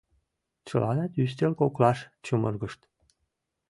Чыланат ӱстел коклаш чумыргышт.